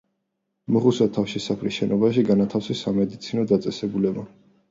მოხუცთა თავშესაფრის შენობაში განათავსეს სამედიცინო დაწესებულება.